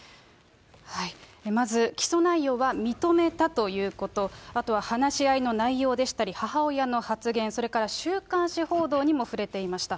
まず起訴内容は認めたということ、あとは話し合いの内容でしたり、母親の発言、それから週刊誌報道にも触れていました。